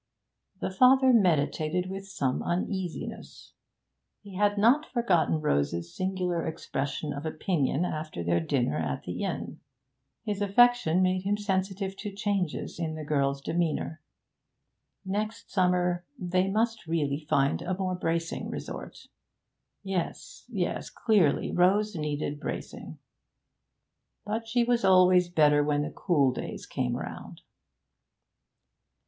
The father meditated with some uneasiness. He had not forgotten Rose's singular expression of opinion after their dinner at the inn. His affection made him sensitive to changes in the girl's demeanour. Next summer they must really find a more bracing resort. Yes, yes; clearly Rose needed bracing. But she was always better when the cool days came round.